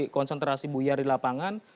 konsentrasi buyar di lapangan